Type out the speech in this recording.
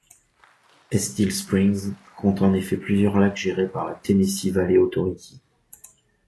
Estill Springs compte en effet plusieurs lacs gérés par la Tennessee Valley Authority.